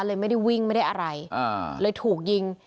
ไม่ได้วิ่งไม่ได้อะไรเลยถูกยิง